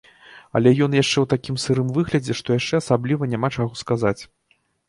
Але ён яшчэ ў такім сырым выглядзе, што яшчэ асабліва няма чаго сказаць.